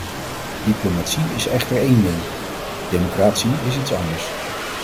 Diplomatie is echter één ding, democratie is iets anders.